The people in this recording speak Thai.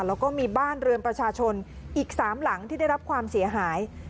แล้วก็มีบ้านเรือนประชาชนอีก๓หลังที่ได้รับความเสียหาย